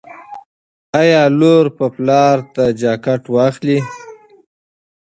ایا لور به پلار ته جاکټ واخلي؟